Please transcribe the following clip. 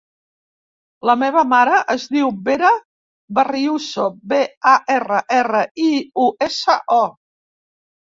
La meva mare es diu Vera Barriuso: be, a, erra, erra, i, u, essa, o.